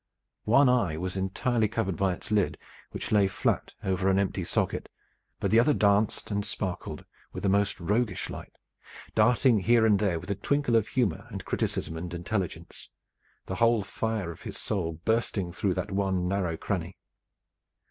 One eye was entirely covered by its lid, which lay flat over an empty socket, but the other danced and sparkled with a most roguish light, darting here and there with a twinkle of humor and criticism and intelligence, the whole fire of his soul bursting through that one narrow cranny.